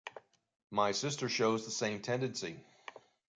My sister shows the same tendency.